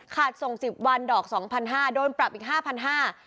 ส่ง๑๐วันดอกสองพันห้าโดนปรับอีกห้าพันห้า